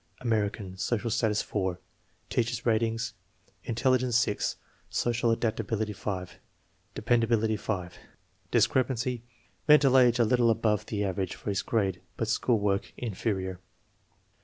American, social status 4. Teacher's ratings: intelligence 6, social adaptability 5, dependability 5. Discrepancy: Mental age a little above the average for his grade, but school work "inferior."